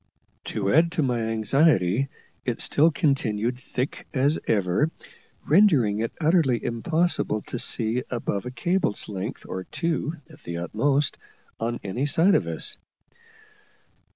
To add to my anxiety, it still continued thick as ever, rendering it utterly impossible to see above a cable's length, or two at the utmost, on any side of us.